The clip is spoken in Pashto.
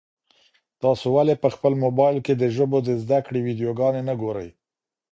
تاسي ولي په خپل موبایل کي د ژبو د زده کړې ویډیوګانې نه ګورئ؟